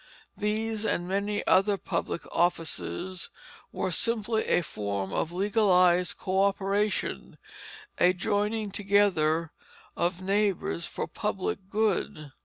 These and many other public offices were simply a form of legalized coöperation; a joining together of neighbors for public good.